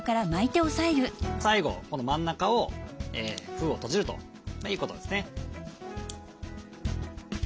最後この真ん中を封を閉じるということですね。